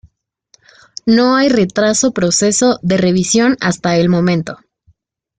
No hay retraso proceso de revisión hasta el momento.